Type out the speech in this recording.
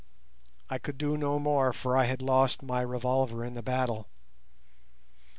I could do no more for I had lost my revolver in the battle.